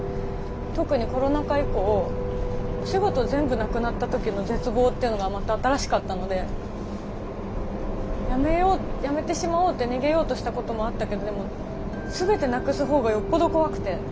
特にコロナ禍以降お仕事全部なくなった時の絶望っていうのがまた新しかったのでやめようやめてしまおうって逃げようとしたこともあったけどでも全てなくす方がよっぽど怖くて。